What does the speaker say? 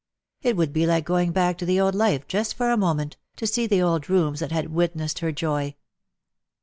It would be like going back to the old life just for a moment, to see the old rooms that had witnessed her joy.